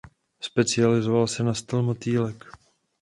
Specializoval se na styl motýlek.